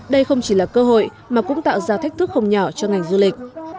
đây không chỉ là cơ hội mà cũng tạo ra thách thức không nhỏ cho ngành du lịch